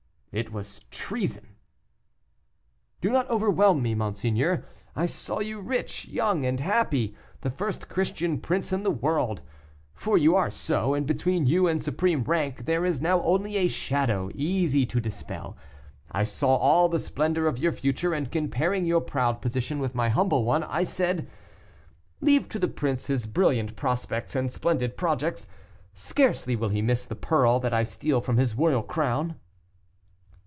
"It was a treason." "Do not overwhelm me, monseigneur; I saw you rich, young and happy, the first Christian prince in the world. For you are so, and between you and supreme rank there is now only a shadow easy to dispel. I saw all the splendor of your future, and, comparing your proud position with my humble one, I said, 'Leave to the prince his brilliant prospects and splendid projects, scarcely will he miss the pearl that I steal from his royal crown.